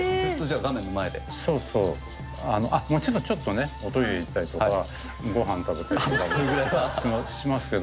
あっもちろんちょっとねおトイレ行ったりとか御飯食べたりとかはしますけど。